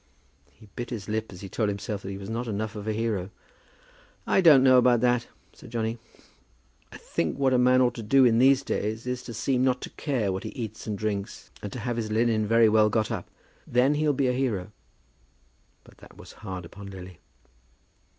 He bit his lip as he told himself that he was not enough of a hero. "I don't know about that," said Johnny. "I think what a man ought to do in these days is to seem not to care what he eats and drinks, and to have his linen very well got up. Then he'll be a hero." But that was hard upon Lily.